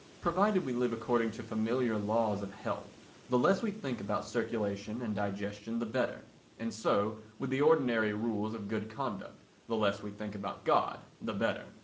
Provided we live according to familiar laws of health, the less we think about circulation and digestion the better; and so with the ordinary rules of good conduct, the less we think about God the better.